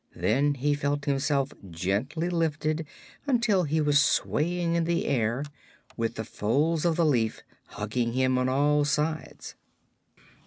Then he felt himself gently lifted until he was swaying in the air, with the folds of the leaf hugging him on all sides.